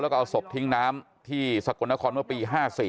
แล้วก็เอาศพทิ้งน้ำที่สกลนครเมื่อปี๕๔